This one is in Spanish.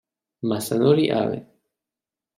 Masanori Abe